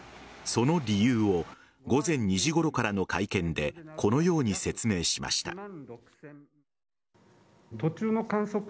その理由を午前２時ごろからの会見でこのように説明しました。